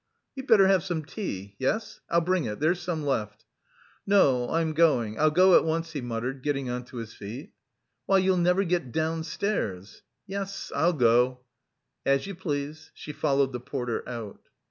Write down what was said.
"You'd better have some tea! Yes? I'll bring it, there's some left." "No... I'm going; I'll go at once," he muttered, getting on to his feet. "Why, you'll never get downstairs!" "Yes, I'll go." "As you please." She followed the porter out.